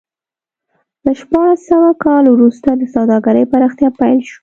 له شپاړس سوه کال وروسته د سوداګرۍ پراختیا پیل شو.